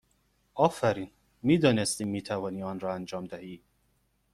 آفرین! می دانستیم می توانی آن را انجام دهی!